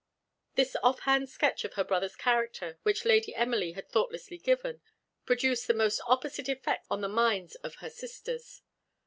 This off hand sketch of her brother's character, which Lady Emily had thoughtlessly given, produced the most opposite effects on the minds of he sisters.